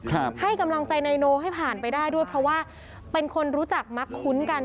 ให้กำลังใจนายโนให้ผ่านไปได้ด้วยเพราะว่าเป็นคนรู้จักมักคุ้นกัน